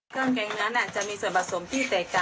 เครื่องแกงเนื้อน่ะจะมีส่วนผสมที่แตก